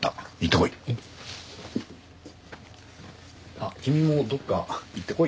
あっ君もどこか行ってこい。